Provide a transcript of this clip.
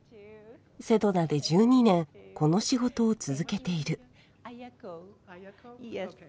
セドナで１２年この仕事を続けている。